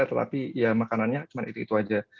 tetapi ya makanannya cuma itu itu aja